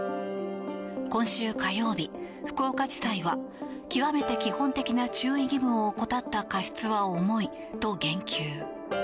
今週火曜日、福岡地裁は極めて基本的な注意義務を怠った過失は重いと言及。